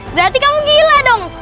berarti kamu gila dong